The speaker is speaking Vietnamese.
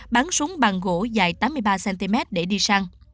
bắn súng bằng gỗ dài tám mươi ba cm để đi sang